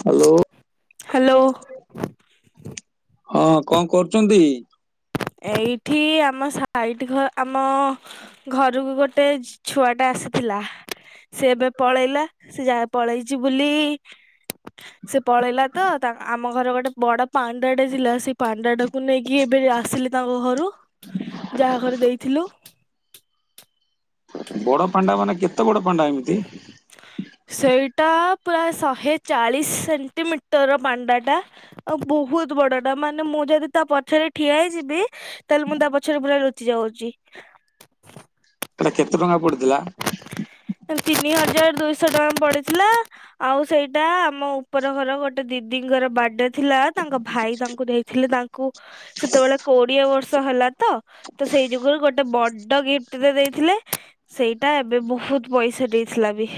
Hello hello ହଁ କଣ କରୁଚନ୍ତି? ଏଇଠି ଆମ ସାଇଡ ଘ ଆମ। ଘରୁକୁ ଗୋଟେ ଛୁଆ ଟେ ଆସିଥିଲା। ସେ ଏବେ ପଳେଇଲା ସେ ଯାହା ପଳେଇଛି ବୁଲି। ସେ ପଳେଇଲା ତ ଆମ ଘର ଗୋଟେ ବଡ ପାଣ୍ଡା ଟେ ଥିଲା ସେ। ପାଣ୍ଡା ଟାକୁ ନେଇକି ଏବେ ଆସିଲି ତାଙ୍କ ଘରୁ ଯାହା ଘରେ ଦେଇଥିଲୁ। ବଡ ପାଣ୍ଡା ମାନେ କେତେ ବଡ ପାଣ୍ଡା ଏମିତି? ସେଇଟା ପୁରା ଶହେ ଚାଳିଶ ସେଣ୍ଟିମିଟର ପାଣ୍ଡାଟା। ଆଉ ବହୁତ ବଡ ଟା ମାନେ ମୁଁ ଯଦି ତା ପଛରେ ଠିଆ ହେଇଯିବି! ତାହେଲେ ମୁଁ ତା ପଛରେ ପୁରା ଲୁଚି ଯାଉଛି। ଏଟା କେତେ ଟଙ୍କା ପଡିଥିଲା। ତିନି ହଜାର ଦୁଇଶହ ଟଙ୍କା ପଡିଥିଲା। ଆଉ ସେଇଟା ଆମ ଉପର ଘର ଗୋଟେ ଦିଦିଙ୍କର ବାର୍ଡେ। ଥିଲା ତାଙ୍କ ଭାଇ ତାଙ୍କୁ ଦେଇଥିଲେ ତାଙ୍କୁ ସେତେବେଳେ କୋଡିଏ ବର୍ଷ ହେଲା ତ। ତ ସେଇ ଯୁଗରୁ ଗୋଟେ ବଡ ଗିଫ୍ଟ ଦେଇଥିଲେ। ସେଇଟା ଏବେ ବହୁତ ପଇସା ଦେଇଥିଲା ବି।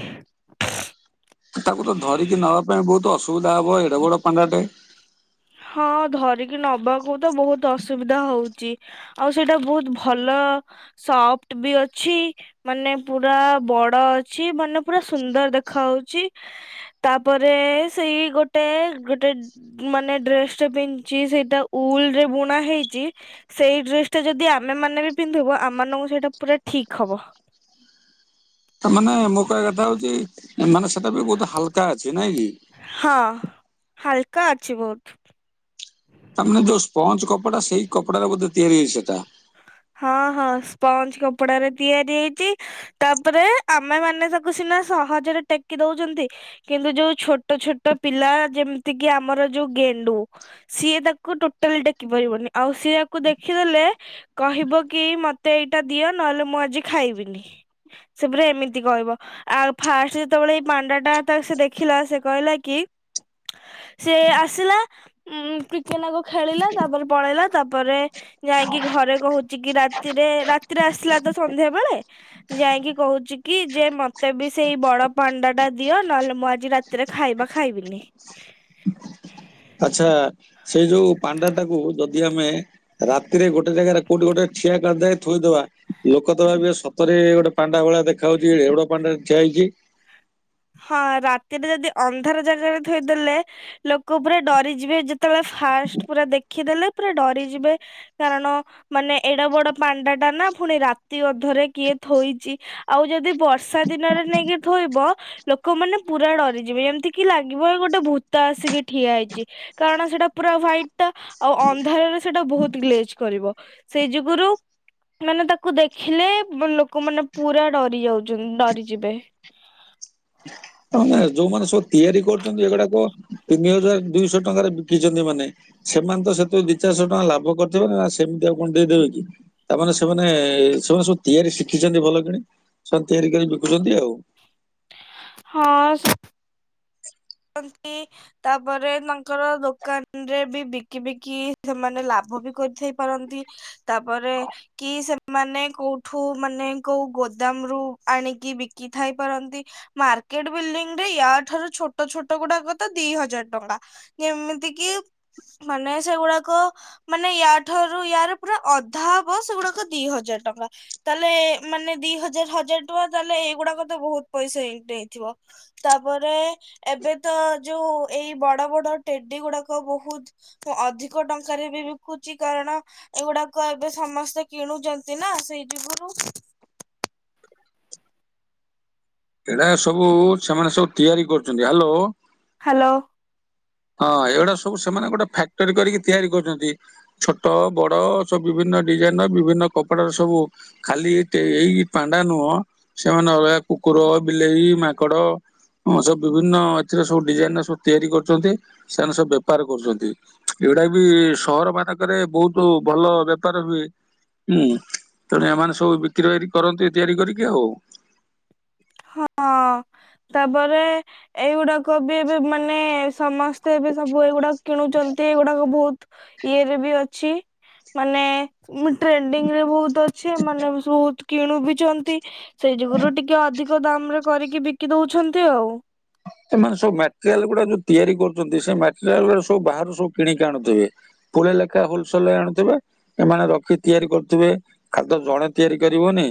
ତାକୁ ତ ଧରିକି ନବା ପାଇଁ ବହୁତ ଅସୁବିଧା ହବ ଏଡ ବଡ ପାଣ୍ଡା ଟେ। ହଁ ଧରିକି ନବାକୁ ତ ବହୁତ ଅସୁବିଧା ହଉଛି। ଆଉ ସେଇଟା ବହୁତ ଭଲ ସଫ୍ଟ ବି ଅଛି। ମାନେ ପୁରା ବଡ ଅଛି ମାନେ ପୁରା ସୁନ୍ଦର ଦେଖ ହଉଛି। ତାପରେ ସେଇ ଗୋଟେ ଗୋଟେ ମାନେ। ଡ୍ରେସ ଟା ପିନ୍ଧି ସେଇଟା ଉଲ ରେ ବୁଣା ହେଇଛି। ସେଇ ଡ୍ରେସ ଟା ଯଦି ଆମେ ମାନେ ବି ପିନ୍ଧିବୁ ଆମ ମାନଙ୍କୁ ସେଇଟା ପୁରା ଠିକ ହବ। ମାନେ ମୁଁ କହିବା କଥା ହଉଛି ମାନେ ସେଟା ବି ବହୁତ ହାଲକା ଅଛି ନାଇଁ କି? ହଁ ହାଲକା ଅଛି ବହୁତ। [inaudible] ତାମାନେେ ଯୋଉ ସ୍ପଞ୍ଜ କପଡା ସେଇ କପଡାରେ ବୋଧେ ତିଆରି ହେଛି ସେଟା! ହଁ ହଁ ସ୍ପଞ୍ଜ କପଡା ରେ ତିଆରି ହେଇଛି। ତାପରେ ଆମେ ମାନେ ତାକୁ ସିନା ସହଜରେ ଟେକି ଦଉଛନ୍ତି। କିନ୍ତୁ ଯୋଉ ଛୋଟ ଛୋଟ ପିଲା ଯେମିତି କିି ଆମର ଯୋଉ ଗେଣ୍ଡୁ। ସିଏ ତାକୁ ଟୋଟାଲି ଡେକି ପାରିବନି ଆଉ ସିଏ ତାକୁ ଦେଖିଦେଲେ। କହିବ କି ମତେ ଏଇଟା ଦିଅ ନହେଲେ ମୁଁ ଆଜି ଖାଇବିନି। ସେପୁରା ଏମିତି କହିବ। ଆଉ ଫାଷ୍ଟ ଯେତେବେଳେ ଏଇ ପାଣ୍ଡା ଟା ତା ସେ ଦେଖିଲା ସେ କହିଲା କି। ସେ ଆସିଲା। ଉଁ କ୍ରିକେ ନାକୁ ଖେଳିଲା ତାପରେ ପଳେଇଲା ତାପରେ ଯାଇକି ଘରେ। କହୁଛି କି ରାତିରେ ରାତିରେ ଆସିଲା ତ ସନ୍ଧ୍ୟା ବେଳେ। ଯାଇକି କହୁଛି କି ଯେ ମତେ ବି ସେଇ ବଡ ପଣ୍ଡା ଟା ଦିଅ ନହେଲେ ମୁଁ ଆଜି ରା। ଭିତରେ ଖାଇବା ଖାଇବିନି। ଆଚ୍ଛା ସେଇ ଯୋଉ ପାଣ୍ଡା ଟାକୁ ଯଦି ଆମେ ରାତିରେ ଗୋଟେ ଜାଗାରେ କୋଉଠି ଗୋଟେ ଠିଆ କରିଦ ଥୋଇଦବା ଲୋକ ତ ଭାବିବେ ସତରେ ଗୋଟେ ପାଣ୍ଡା ଭଳିଆ ଦେଖା ହାଉଛି ଏଉଡ ପାଣ୍ଡା ଠିଆ ହେଇଛି। ହଁ ରାତିରେ ଯଦି ଅନ୍ଧାର ଜାଗାରେ ଥୋଇଦେଲେ ଲୋକ ପୁରା ଡରିଯିବେ ଯେ କେତେବେଳେ ଫାଷ୍ଟ ପୁରା ଦେଖ ଦେଖିଦେଲେ ପୁରା ଡରିଯିବେ କାରଣ ମାନେ ଏଡ ବଡ ପାଣ୍ଡା ଟା ନା ପୁଣି ରାତି ଅ ଧରେ କିଏ ଥୋଇଛି ଆଉ ଯଦି ବର୍ଷା ଦିନରେ ନେଇକି ଥୋଇବ ଲୋକମାନୋନେ ପୁରା ଡରିଯିବେ ଯେମିତି କି ଲାଗିବ ଗୋଟେ ଭୂତ ଆସିକି ଠିଆ ହେଇଛି। କାରଣ ସେଟା ପୁରା ହାଇଟ୍ଟା ଆଉ ଅନ୍ଧାରରେ ସେଟା ବହୁତ ଗ୍ଲେଜ କରିବ ସେଇ ଯୋଗୁରୁ ମାନେ ତାକୁ ଦେଖିଲେ ଲୋକମାନୋନେ ପୁରା ଡରି ଯାଉଛନ୍ତି ଡରିଯିବେ। ତାାନେ ଯୋଉମାନେ ସବୁ ତିଆରି କରୁଛନ୍ତି ଏଗୁଡାକ ତିନି ହଜାର ଦୁଇଶ ଟଙ୍କାରେ ବିକିଛନ୍ତି ମାନେ ସେମାନେ ତ ସେଥିରୁ ଦି ଚାରିଶହ ଟଙ୍କା ଲାଭ କରିଥିବେ ନା ସେମିତି ଆଉ କଣ ଦେଇଦେବେ କି ତାମାନେ ସେମାନେ ସେମାନେ ସବୁ ତିଆରି ଶିଖିଛନ୍ତି ଭଲ କିଣି ସେମାନେ ତିଆରି କରିି ବିକୁଛନ୍ତି ଆଉ ହଁ ସେ କରନ୍ତି। ତାପରେ ତାଙ୍କର ଦୋକାନରେ ବି ବିକି ବିକି ସେମାନେ ଲାଭ ବି କରିଥାଇ କରନ୍ତି ତାପରେ କି ସେମାନେ କୋଉ ଠୁ ମାନେ କୋଉ ଗୋଦାମ ରୁ ଆଣିକି ବିକି ଥାଇ ପାରନ୍ତି ମାର୍କେଟ ବିଲ୍ଡିଂ ରେ ୟାଠାରୁ ଛୋଟ ଛଟ ଛୋଟ ଗୁଡାକ ତ ଦି ହଜାର ଟଙ୍କା ଯେମିତି କି ମାନେ ସେଗୁଡାକ ଟ ମାନେ ୟାଠାରୁ ୟାର ପୁରା ଅଧା ହବ ସେଗୁଡାକ ଦି ହଜାର ଟଙ୍କା। ତାହେଲେ ମାନେ ଦି ହଜାର ହଜାର ଟଙ୍କା ତାହେଲେ ଏଇଗୁଡାକ ତ ବହୁତ ପଇସା ଏଇଟି ହେଇଥିବ ତାପରେ ଏବେ ତ ଯୋଉ ଏଇ ବଡ ବଡ ଟେଡି ଗୁଡ଼ାକ ବହୁତ୍ ମୁଁ ଅଧିକ ଟଙ୍କାରେ ବି ବିକୁଚି କାରଣ ଏଗୁଡାକ ଏବେ ସମସ୍ତେ କିଣୁଛନ୍ତି ନା ସେଇ ଯୋଗୁରୁ। ଏଡା ସବୁ ସେମାନେ ସବୁ ତିଆରି କରୁଚନ୍ତି ହ୍ୟାଲୋ ହ୍ୟାଲୋ। ହଁ ଏଗୁଡା ସବୁ ସେମାନେ ଗୋଟେ ଫ୍ୟାକ୍ଟରୀ କରିକି ତିଆରି କରୁଚନ୍ତି। ଛୋଟ ବଡ ସବୁ ବିଭିନ୍ନ ଡିଜାଇନ୍ ର ବିଭିନ୍ନ କପଡାର ସବୁ ଖାଲି ଏଇ ଟେ ଏଇ ପାଣ୍ଡା ନୁହଁ ସେମାନେ ଅଲଗା କୁକୁର ବିଲେଇ ମାଙ୍କଡ ହଁ ସବୁ ବିଭିନ୍ନ ଏଥିରେ ସବୁ ଡିଜାଇନର ସବୁ ତିଆରି କରୁଚନ୍ତି ସେମାନେ ସବୁ ବେପାର କରୁଚନ୍ତି। ଏଗୁଡା ବି ସହର ମାନଙ୍କରେ ବହୁତ ଭଲ ବେପାର ହୁଏ। ହୁଁ ତେଣୁ ଏମାନେ ସବୁ ବିକ୍ରି ବିକାରି କରନ୍ତିୁ ତିଆରି କରିକି ଆଉ। ହ [unintelligible] ହଁ ତାପରେ ଏଇଗୁଡାକ ବି ଏବେ ମାନେ ସମସ୍ତେ ଏବେ ସବୁ ଏଇଗୁଡାକ କିଣୁଛନ୍ତି ଏଇଗୁଡାକ ବହୁତ ଇଏରେ ବି ଅଛି ମାନେ ମୁଁ ଟ୍ରେଣ୍ଡିଙ୍ଗ ରେ ବହୁତ୍ ଅଛି ଏମାନେ ସବୁ ବହୁତ୍ କିଣୁ ବି ଚନ୍ତି। ସେଇ ଯୁଗୁରୁ ଟିକେ ଅଧିକ ଦାମ୍ ରେ କରିକି ବିକି ଦେଉଚନ୍ତି। ସେମାନେ ସବୁ ମଟେରିଆଲ ଗୁଡା ଯୋଉ ତିଆରି କରୁଚନ୍ତି ସେଇ ମଟେରିଆଲରା ସବୁ ବାହାରୁ ସବୁ କିଣିକି ଆଣୁଥିବେ। ପୁଳେ ଲେଖା ହୋଲସଲ୍ ରେ ଆଣୁଥିବେ। ଏମାନେ ରଖି ତିଆରି କରୁଥିବେ ଖାଦ୍ୟ ଜଣେ ତିଆରି କରିବନି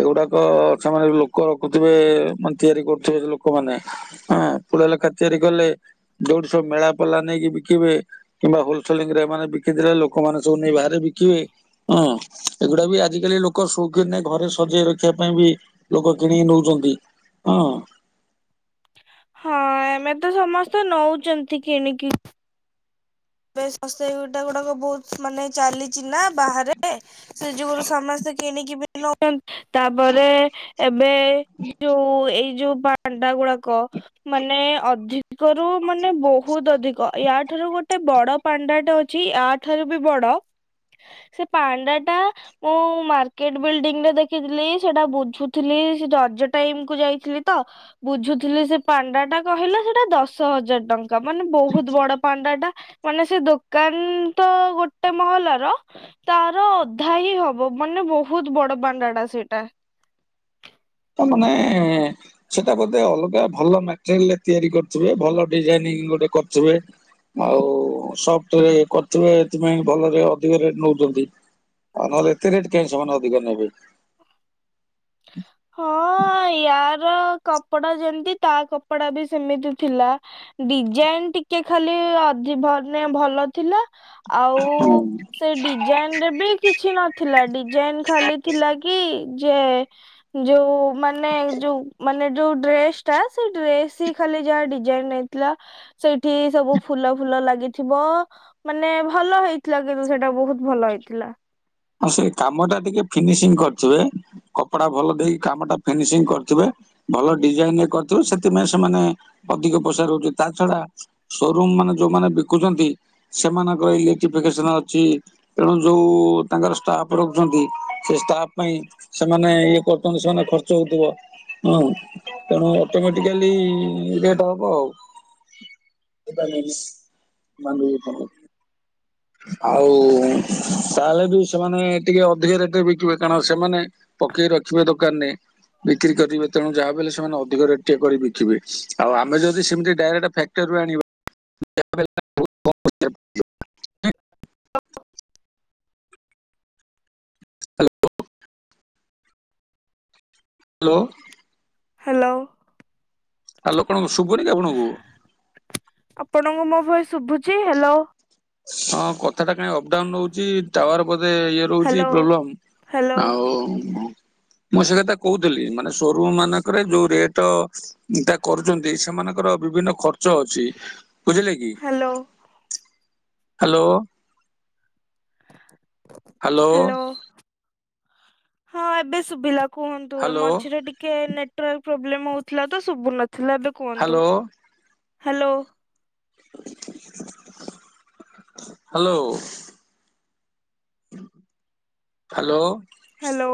ଏଗୁଡାକ ସେମାନେ ଲୋକ ରଖୁଥିବେ ମାନେ ତିଆରି କରୁଥିବେ ଲୋକ ମାନେ। ହଁ ପୁଳେ ଲେଖା ତିଆରି କଲେ ଯୋଉଠି ସବୁ ମେଳା ପଢଲା ନେଇକି ବିକିବେ କିମ୍ବା ହୋଲସେଲିଙ୍ଗ ରେ ଏମାନେ ବିକିଥିଲେ ଲୋକମାନେ ସବୁ ନେଇ ବାହାରେ ବିକିବେ। ହଁ ଏଗୁଡା ବି ଆଜି କାଲି ଲୋକ ସୌକିନିରେ ଘରେ ସଜେଇ ରଖିବା ପାଇଁ ବି ଲୋକ କିଣିକି ନଉଚନ୍ତି ହଁ। ହଁ ଏମେ ତ ସମସ୍ତେ ନଉଚନ୍ତି କିଣିକି। ବେସ୍‌ ଅସ୍ତେଇ ଗୁଡ଼ା ଗୁଡ଼ାକୁ ବହୁତ ମାନେ ଚାଲିଚିନା ବାହାରେ ସେଇ ଯୋଗୁରୁ ସମସ୍ତେ କିଣିକି ବି ନୋଉଚନ୍ତି ତାପରେ ଏବେ ଯୋଉ ଏଇ ଯୋଉ ପା ଣ୍ଡା ଗୁଡାକ ମାନେ ଅଧିକରୁୁ ମାନେ ବହୁତ୍ ଅଧିକ ୟାଠାରୁ ଗୋଟ୍ ଗୋଟେ ବଡ ପାଣ୍ଡା ଟା ଅଛି ଆ ଠାରୁ ବି ବଡ ସେ ପାଣ୍ଡା ଟା ମୁଁ ମାର୍କେଟ ବିଲ୍ଡିଂରେ ଦେଖିଥିଲି ସେଟା ବୁଝୁଥିଲି ସେ ରଜ ଟାଇମ୍ କୁ ଯାଇଥିଲି ତ। ବୁଝୁଥିଲି ସେ ପାଣ୍ଡା ଟା କହିଲା ସେଟା ଦଶ ହଜାର ଟଙ୍କା ମାନେ ବହୁତ ବଡ ପାଣ୍ଡା ଟା। ମାନେ ସେ ଦୋକାନ ତ ଗୋଟେ ମହଲାର ତାର ଅଧା ହିଁ ହବ ମାନେ ବହୁତ ବଡ ପାଣ୍ଡା ଟା ସେଇଟା। ତ ମାନେ ସେଟା ବୋଧେ ଅଲଗା ଭଲ ମଟେରିଲରେ ତିଆରି କରିଥିବେ ଭଲ ଡିଜାଇନିଂ ଗୋଟେ କରିଥିବେ। ଆଉ ସଫ୍ଟ ରେ କରୁଥିବେ ଏଥିପାଇଁ ଭଲରେ ଅଧିକ ରେଟ୍‌ ନଉଚନ୍ତି। ଆଉ ନହେଲେ ଏତେ ରେଟ୍ କାହିଁ ସେମାନେ ଅଧିକ ନେବେ। ହଁ ୟାର କପଡା ଯେମିତି ତା କପଡା ବି ସେମିତି ଥିଲା। ଡିଜାଇନ ଟିକେ ଖାଲି ଅଧି ମାନେ ଭଲ ଥିଲା ଆଉ ସେ ଡିଜାଇନ ରେ ବି କିଛି ନଥିଲା ଡିଜାଇନ ଖାଲି ଥିଲା କି ଯେ ଯୋଉ ମାନେ ଯୋଉ ମାନେ ଯୋଉ ଡ୍ରେସ ଟା ସେ ଡ୍ରେସ ହି ଖାଲି ଯାହା ଡିଜାଇନ ଥିଲା ସେଇଠି ସବୁ ଫୁଲ ଫୁଲ ଲାଗିଥିବ ମାନେ ଭଲ ହେଇଥିଲା କିନ୍ତୁ ସେଟା ବହୁତ ଭଲ ହେଇଥିଲା। ହଁ ସେ କାମ ଟା ଟିକେ ଫିନିସିଂ କରିଚଜେ। କପଡା ଭଲ ଦେଇକି କାମଟା ଫିନିସିଂ କରିଥିବେ ଭଲ ଡିଜାଇନ କରିଥିବେ ସେଥିପାଇଁ ସେମାନେ ଅଧିକ ପଇସା ରହୁଛି ତା ଛଡା ସୋରୁମ ମାନେ ଯୋଉମାନେ ବିକୁଚନ୍ତି ସେମାନଙ୍କର ଇଲେକ୍ଟଫିକସନ ଅଛି ତେଣୁ ଯୋଉ ତାଙ୍କର ଷ୍ଟାଫ ରଖୁଛନ୍ତି ସେ ଷ୍ଟାଫ ପାଇଁ ସେମାନେ ଇଏ କରୁଛନ୍ତି ସେମାନେ ଖର୍ଚ୍ଚ ହଉଥିବ। ହଁ ତେଣୁ ଅଟୋମେଟିକାଲି ରେଟ ହବ ଆଉ।। [unintelligible] ଆଉ ତାହେଲେ ବି ସେମାନେ ଟିକେ ଅଧିକା ରେଟ ରେ ବିକିବେ କାରଣ ସେମାନେ ପକେଇ ରଖିବେ ଦୋକାନ ରେ ବିକ୍ରି କରିବେ ତେଣୁ ଯାହା ବ ହେଲେ ସେମାନେ ଅଧିକ ରେଟ୍ ଟେଏ କରି ବିକିବେ ଆଉ ଆମେ ଯଦି ସେମତି ଡାଇରେକ୍ଟ ଫ୍ୟାକ୍ ଟେରି ରୁ ଆଣିବା [unintelligible] [unintelligible] ହ୍ୟାଲୋ। ହ୍ୟାଲୋ। ହ୍ୟାଲୋ। ହାଲୋକଣ ଶୁଭୁନି କି ଆପଣଙ୍କୁ? ଆପଣଙ୍କୁ ମୋ ଭୟସ୍ ଶୁଭୁଛି ହ୍ୟାଲୋ। ହଁ କଥା ଟା କାଇଁ ଅପଡାଉନ ରଉଛି ଟାୱାର ବୋଧେ ଇଅ ରଉଛି ହ୍ୟାଲୋ। ହ୍ୟାଲୋ ପ୍ରବ୍ଲେମ ଆଉ ମୁଁ ସେ କଥା କହୁଥିଲି ମାନେ ସୋରୁମ ମାନଙ୍କରେ ଯୋଉ ରେଟ ତା କରୁଛନ୍ତି ସେମାନଙ୍କର ବିଭିନ୍ନ ଖର୍ଚ୍ଚ ଅଛି ବୁଝିଲେ କି! ହ୍ୟାଲୋ। ହ୍ୟାଲୋ। ହ୍ୟାଲୋ ହଁ ଏବେ ଶୁଭିଲା। କୁହନ୍ତୁ ହ୍ୟାଲୋ ମଝିରେ ଟିକେ ନେଟୱାର୍କ ପ୍ରୋବ୍ଲେମ ହଉଥିଲା ତ ଶୁଭୁ ନଥିଲା ତ କୁହନ୍ତୁ hello hello. Hello. [inaudible] Hello. Hello